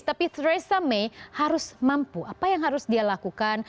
tapi the resa may harus mampu apa yang harus dia lakukan